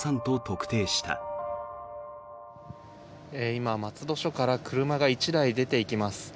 今、松戸署から車が１台出てきます。